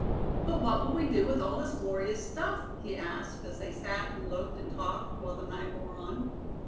"But what will we do with all this glorious stuff?" he asked, as they sat, and looked, and talked, while the night wore on.